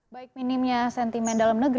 baik minimnya sentimen